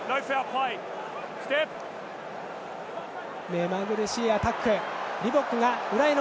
めまぐるしいアタック。